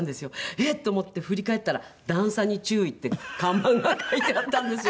えっ！と思って振り返ったら「段差に注意」って看板が書いてあったんですよ。